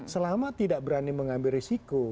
selama tidak berani mengambil risiko